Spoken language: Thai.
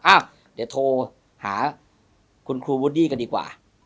อ่ะเดี๋ยวโทรหาคุณครูวูดดี้กันดีกว่า